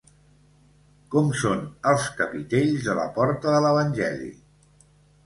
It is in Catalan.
Com són els capitells de la porta de l'evangeli?